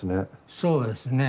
そうですね。